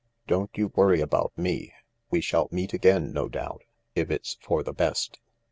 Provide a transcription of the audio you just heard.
" Don't you worry about me. We shall meet again, no doubt, if it's for the best."